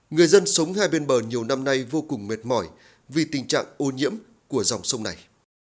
người dân sống hai bên bờ nhiều năm nay vô cùng mệt mỏi vì tình trạng ô nhiễm của dòng sông này